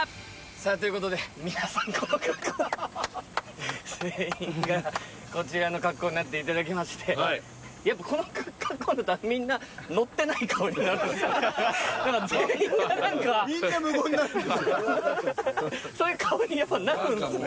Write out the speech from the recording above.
さあということで皆さんこの格好全員がこちらの格好になっていただきましてやっぱこの格好になったらみんな全員が何かみんな無言になるそういう顔に皆さんなるんですね